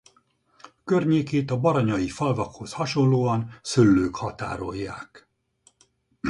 Környékét a baranyai falvakhoz hasonlóan szőlők határolják.